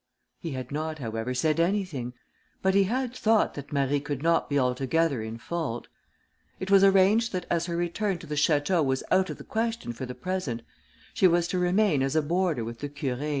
He had not, however, said anything, but he had thought that Marie could not be altogether in fault. It was arranged that as her return to the château was out of the question for the present, she was to remain as a boarder with the Curé.